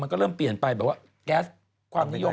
ก็เริ่มเปลี่ยนไปแบบว่าแก๊สความนิยม